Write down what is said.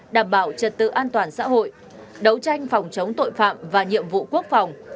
đảm bảo trật tự an toàn xã hội đấu tranh phòng chống tội phạm và nhiệm vụ quốc phòng